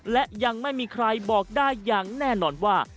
และยังไม่มีใครบอกได้อย่างแน่นอนว่า